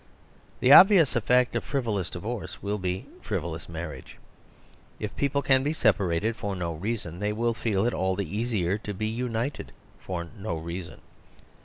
The obvious effect of frivolous di vorce will be frivolous marriage. If people can be separated for no reason they will feel The Vista of Divorce 185 I '——————— it all the easier to be united for no reason.